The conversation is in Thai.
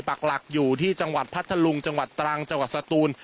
ปักหลักอยู่ที่จังหวัดพัทธลุงจังหวัดตรังจังหวัดสตูน